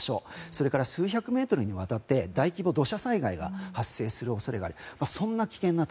それから数百メートルにわたって大規模土砂災害が発生する恐れがある。